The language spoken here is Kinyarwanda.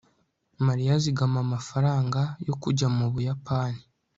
Mariya azigama amafaranga yo kujya mu Buyapani